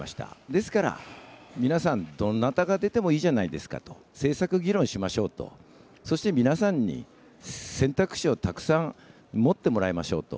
ですから、皆さん、どなたが出てもいいじゃないですかと、政策議論しましょうと、そして皆さんに選択肢をたくさん持ってもらいましょうと。